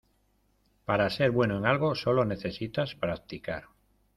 Para ser bueno en algo solo necesitas practicar.